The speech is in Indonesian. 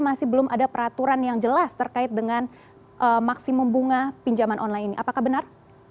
masih belum ada peraturan yang jelas terkait dengan maksimum bunga pinjaman online ini apakah benar